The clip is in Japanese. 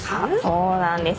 そうなんです。